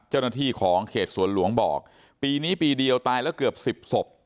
เจ้าหน้าที่ของเขตสวนหลวงบอกปีนี้ปีเดียวตายแล้วเกือบสิบศพ